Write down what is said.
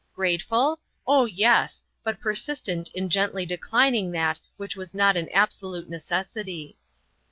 Grateful? oh, yes, but persistent in gently declining that which was not an absolute necessity.